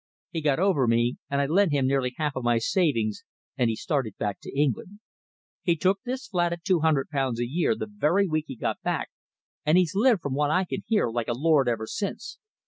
He got over me, and I lent him nearly half of my savings, and he started back to England. He took this flat at two hundred pounds a year the very week he got back, and he's lived, from what I can hear, like a lord ever since.